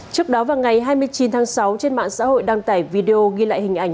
trước đó vào ngày hai mươi chín tháng sáu trên mạng xã hội đăng tải video ghi lại hình ảnh